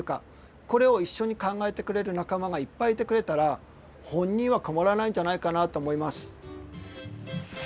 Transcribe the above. これを一緒に考えてくれる仲間がいっぱいいてくれたら本人は困らないんじゃないかなと思います。